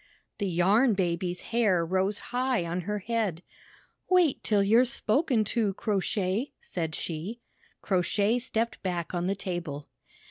The Yarn Baby's hair rose high on her head. "Wait till you're spoken to. Crow Shay!" said she. Crow Shay stepped back on the table.